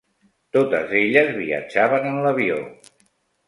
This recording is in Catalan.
Totes elles viatjaven en l'avió.